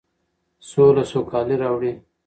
سوله سوکالي راوړي.